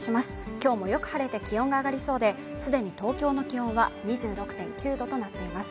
今日もよく晴れて気温が上がりそうで既に東京の気温は２６．９度となっています